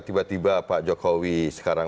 tiba tiba pak jokowi sekarang